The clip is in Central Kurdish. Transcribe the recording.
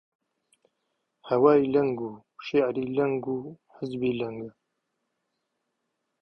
هەوای لەنگ و شیعری لەنگە و حیزبی لەنگە: